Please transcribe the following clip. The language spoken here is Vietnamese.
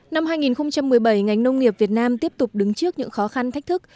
năm hai nghìn một mươi bảy ngành nông nghiệp việt nam tiếp tục đứng trước những khó khăn thách thức